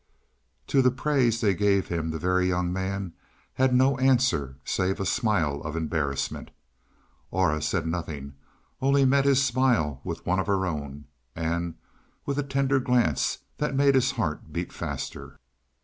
To the praise they gave him the Very Young Man had no answer save a smile of embarrassment. Aura said nothing, only met his smile with one of her own, and with a tender glance that made his heart beat faster.